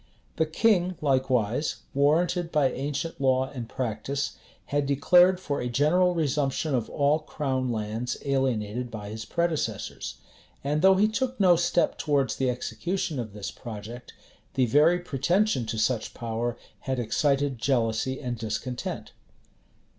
[*] The king likewise, warranted by ancient law and practice, had declared for a general resumption of all crown lands alienated by his predecessors; and though he took no step towards the execution of this project, the very pretension to such power had excited jealousy and discontent.